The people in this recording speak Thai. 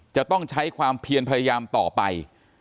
จะต้องใช้ความเพียรพยายามต่อไป